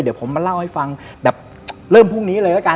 เดี๋ยวผมมาเล่าให้ฟังแบบเริ่มพรุ่งนี้เลยแล้วกัน